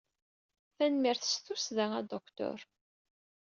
Tanemmirt s tussda, a Aduktur.